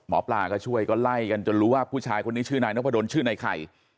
หมอปลาก็ช่วยก็ไล่กันจนรู้ว่าผู้ชายคนนี้ชื่อนายนพดลชื่อนายไข่